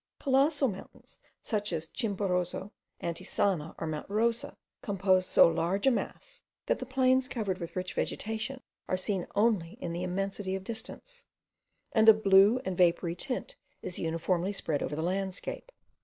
Colossal mountains, such as Chimborazo, Antisana, or Mount Rosa, compose so large a mass, that the plains covered with rich vegetation are seen only in the immensity of distance, and a blue and vapoury tint is uniformly spread over the landscape.